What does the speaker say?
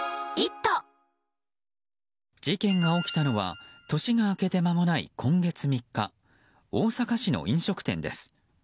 事件が起きたのは年が明けてまもない今月３日大阪市の飲食店です。